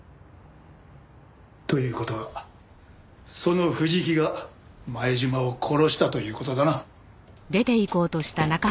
という事はその藤木が前島を殺したという事だな。